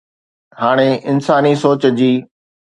هاڻي انساني سوچ جي